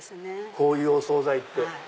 こういうお総菜って。